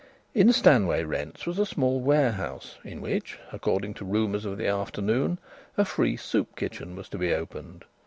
In Stanway Rents was a small warehouse in which, according to rumours of the afternoon, a free soup kitchen was to be opened.